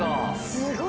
すごい。